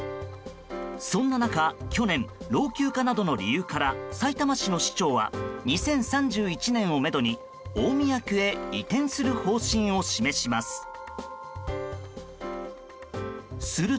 そんな中、去年老朽化などの理由からさいたま市の市長は２０３１年をめどに大宮区へ移転する方針を示します。